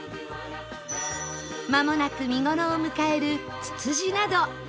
まもなく見頃を迎えるツツジなど